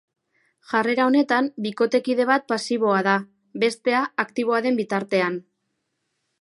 Jarrera honetan bikotekide bat pasiboa da, bestea aktiboa den bitartean.